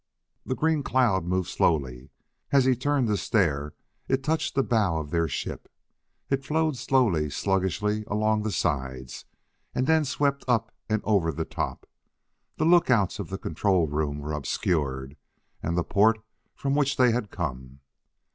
The green cloud moved slowly. As he turned to stare it touched the bow of their ship; it flowed slowly, sluggishly, along the sides, and then swept up and over the top. The lookouts of the control room were obscured, and the port from which they had come!